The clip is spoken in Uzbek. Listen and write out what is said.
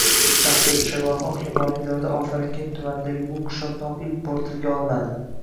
Dahbed - Shayboniyxon hukmronligi davrida Ofarinkent tumanidagi bu qishloq nomi ilk bor tilga olinadi.